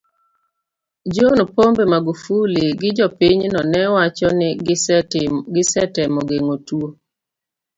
John Pombe Magufuli gi jopinyno ne wacho ni gisetemo geng'o tuo